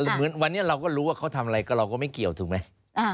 เหมือนวันนี้เราก็รู้ว่าเขาทำอะไรก็เราก็ไม่เกี่ยวถูกไหม